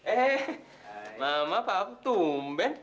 eh mama pak tumben